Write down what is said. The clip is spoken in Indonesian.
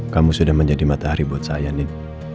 kamu sudah menjadi matahari buat saya nih